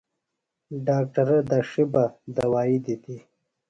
ڈاکٹرہ دڇھیۡ بہ دوائی دِتیۡ۔